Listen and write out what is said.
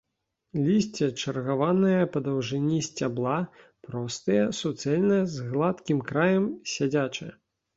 Лісце чаргаванае па даўжыні сцябла, простае, суцэльнае, з гладкім краем, сядзячае.